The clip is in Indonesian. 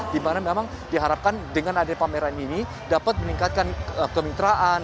di mana memang diharapkan dengan adil pameran ini dapat meningkatkan kemitraan